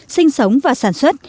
sinh sống và sản xuất